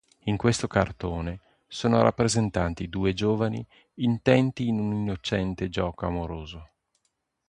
In questo cartone sono rappresentati due giovani intenti in un innocente gioco amoroso.